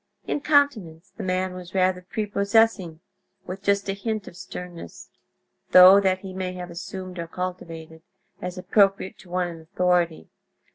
In countenance the man was rather prepossessing, with just a hint of sternness; though that he may have assumed or cultivated, as appropriate to one in authority.